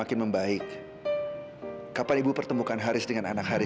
sayang sekali kamu membuang kesempatan besar yang saya berikan sama kamu